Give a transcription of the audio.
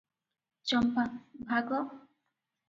ଚମ୍ପା - ଭାଗ?